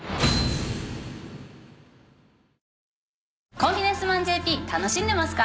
『コンフィデンスマンＪＰ』楽しんでますか？